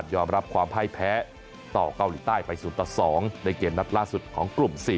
รับความพ่ายแพ้ต่อเกาหลีใต้ไป๐ต่อ๒ในเกมนัดล่าสุดของกลุ่ม๔